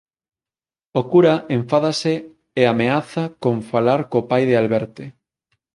O cura enfádase e ameaza con falar co pai de Alberte.